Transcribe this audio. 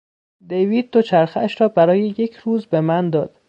دیوید دوچرخهاش را برای یک روز به من داد.